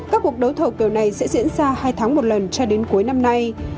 các cuộc đấu thầu kiểu này sẽ diễn ra hai tháng một lần cho đến cuối năm nay